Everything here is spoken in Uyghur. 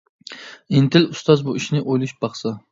ئىنتىل ئۇستاز بۇ ئىشنى ئويلىشىپ باقسا.